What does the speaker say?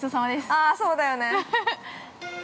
◆ああ、そうだよね。